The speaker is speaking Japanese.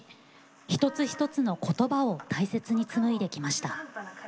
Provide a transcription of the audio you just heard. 一つ一つの言葉を大切につむいできました。